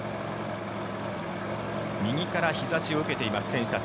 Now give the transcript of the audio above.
右から日差しを受けています選手たち。